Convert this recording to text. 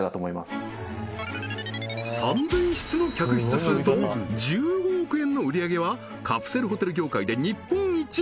３０００室の客室数と１５億円の売上げはカプセルホテル業界で日本一